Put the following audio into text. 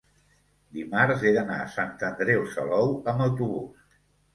dimarts he d'anar a Sant Andreu Salou amb autobús.